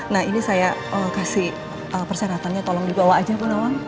nah ini saya kasih persyaratannya tolong dibawa aja bu nawang